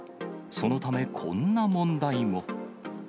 そのため、こんな問題も。